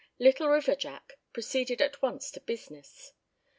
"Little River Jack" proceeded at once to business.